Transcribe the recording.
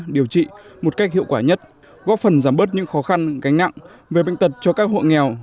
điều trị một cách hiệu quả nhất góp phần giảm bớt những khó khăn gánh nặng về bệnh tật cho các hộ nghèo